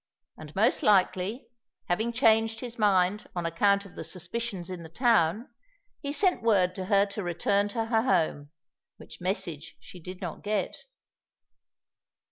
And most likely, having changed his mind on account of the suspicions in the town, he sent word to her to return to her home, which message she did not get."